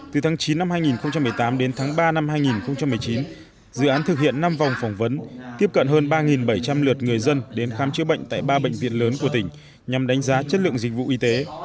từ tháng chín năm hai nghìn một mươi tám đến tháng ba năm hai nghìn một mươi chín dự án thực hiện năm vòng phỏng vấn tiếp cận hơn ba bảy trăm linh lượt người dân đến khám chữa bệnh tại ba bệnh viện lớn của tỉnh nhằm đánh giá chất lượng dịch vụ y tế